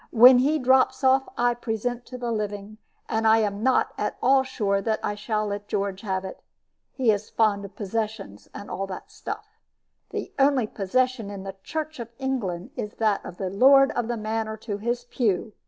When he drops off, I present to the living; and I am not at all sure that I shall let George have it. He is fond of processions, and all that stuff. The only procession in the Church of England is that of the lord of the manor to his pew.